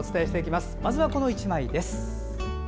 まずはこの１枚です。